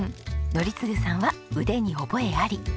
則次さんは腕に覚えあり。